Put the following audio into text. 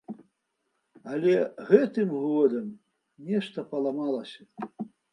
Але гэтым годам нешта паламалася.